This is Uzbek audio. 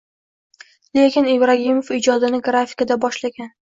Lekim Ibragimov ijodini grafikada boshlagan.